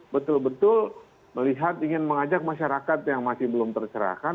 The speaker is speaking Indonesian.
betul betul melihat ingin mengajak masyarakat yang masih belum terserahkan